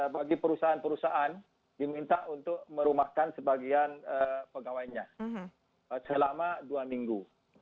bagi perusahaan perusahaan diminta untuk merumahkan sebagian pegawainya selama dua minggu